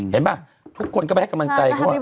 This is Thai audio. เห็นปะทุกคนก็ไปแฮปกำลังไกรเพราะว่า